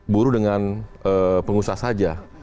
buruh dengan pengusaha saja